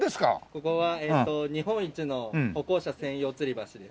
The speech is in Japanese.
ここは日本一の歩行者専用つり橋です。